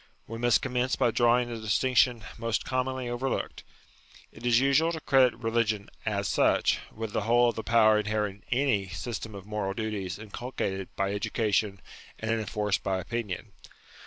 We must commence by drawing a distinction most commonly overlooked. It is usual to credit religion as such with the whole of the power inherent in any system of moral duties inculcated by education and enforced by opinion.